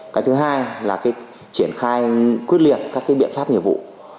cái thứ hai là triển khai quyết liệt các biện pháp nhiệm vụ